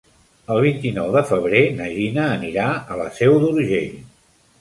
El vint-i-nou de febrer na Gina anirà a la Seu d'Urgell.